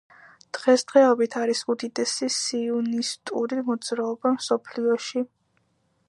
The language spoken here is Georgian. დღესდღეობით არის უდიდესი სიონისტური მოძრაობა მსოფლიოში.